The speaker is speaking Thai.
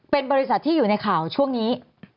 เป็นบริษัทที่อยู่ในข่าวช่วงนี้